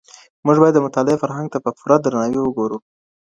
موږ بايد د مطالعې فرهنګ ته په پوره درناوي وګورو.